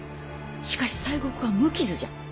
しかし西国は無傷じゃ。